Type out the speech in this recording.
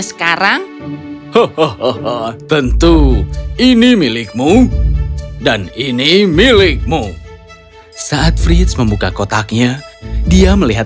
sekarang tentu ini milikmu dan ini milikmu saat frits membuka kotaknya dia melihat